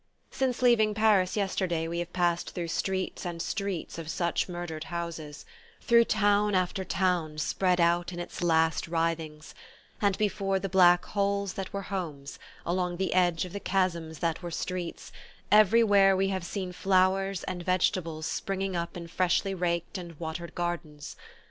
Since leaving Paris yesterday we have passed through streets and streets of such murdered houses, through town after town spread out in its last writhings; and before the black holes that were homes, along the edge of the chasms that were streets, everywhere we have seen flowers and vegetables springing up in freshly raked and watered gardens.